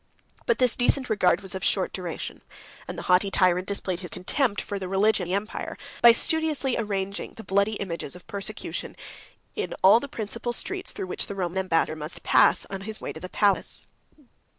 109 But this decent regard was of short duration; and the haughty tyrant displayed his contempt for the religion of the empire, by studiously arranging the bloody images of persecution, in all the principal streets through which the Roman ambassador must pass in his way to the palace.